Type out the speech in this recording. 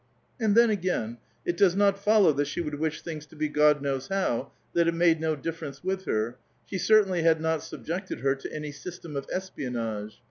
And then, again, it does not follow that she would wish things to be God knows how, that it made no difference with her ; she certainly had not sub jected her to any system of espionage.